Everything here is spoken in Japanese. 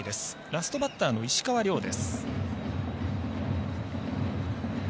ラストバッターの石川亮です。